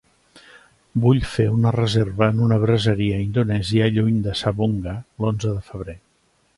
Vull fer una reserva en una braseria indonèsia lluny de Savoonga l'onze de febrer.